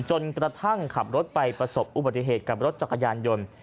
จนกระทั่งขับรถไปประสบอุบัติเหตุกับรถจักรยานยนต์